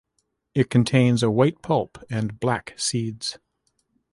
It contains a white pulp and black seeds.